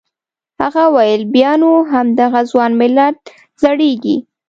هغه وویل بیا نو همدغه ځوان ملت زړیږي.